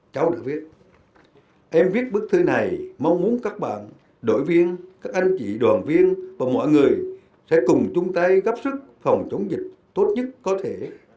cháu đã viết em viết bức thư này mong muốn các bạn đội viên các anh chị đoàn viên và mọi người sẽ cùng chung tay góp sức phòng chống dịch tốt nhất có thể